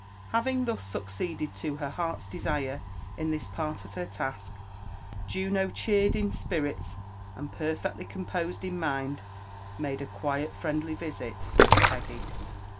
Having thus sticcfseded to her heart's desire in this ptiti of her task, Juno, cheered in spirits and perfectly composed in mind, made d quiet friendly visit lo Peggy.